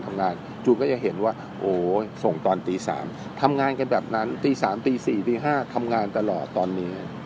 คุณพ่อรับมือได้แล้วอย่างเงี้ยเป็นเดียวเรียกว่าจะมีความเครียดอยู่ไหมครับคุณพ่อ